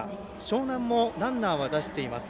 樟南もランナーは出しています。